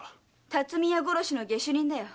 巽屋殺しの下手人だよ。